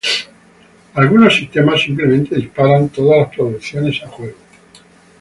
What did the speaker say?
Algunos sistemas simplemente disparan todas las producciones a juego.